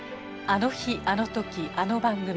「あの日あのときあの番組」。